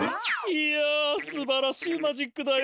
いやすばらしいマジックだよ。